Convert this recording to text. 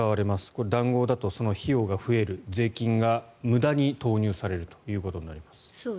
これ、談合だと費用が増える税金が無駄に投入されることになります。